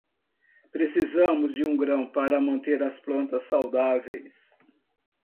Precisamos de um grão para manter as plantas saudáveis.